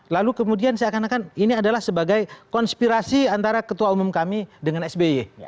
lalu kemudian seakan akan ini adalah sebagai konspirasi antara ketua umum kami dengan sby